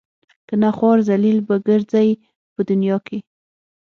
کنه خوار ذلیل به ګرځئ په دنیا کې.